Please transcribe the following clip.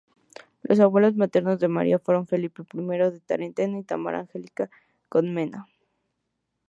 Los abuelos maternos de María fueron Felipe I de Tarento y Tamar Angelina Comnena.